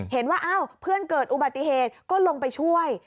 เห็นว่าอ้าวเพื่อนเกิดอุบัติเหตุก็ลงไปช่วย